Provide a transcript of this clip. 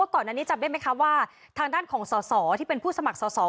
ก่อนอันนี้จำได้ไหมคะว่าทางด้านของสอสอที่เป็นผู้สมัครสอสอ